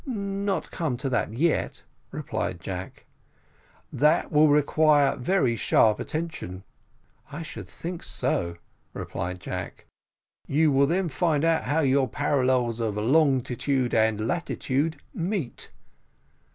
"Not come to that yet," replied Jack. "That will require very sharp attention." "I should think so," replied Jack. "You will then find out how your parallels of longitude and latitude meet."